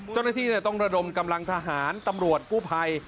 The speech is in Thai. เจ้าหน้าที่ต้องระดมกำลังทหารตำรวจกู้ภัย